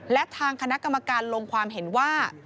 และทางคณะกรรมการลงความเห็นว่า